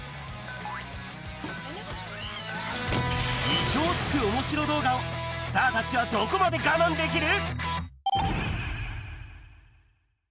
意表をつくおもしろ動画を、スターたちはどこまで我慢できる？